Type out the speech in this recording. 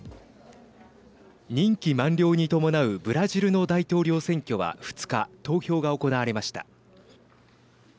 任期満了に伴うブラジルの大統領選挙は、２日投票が行われました。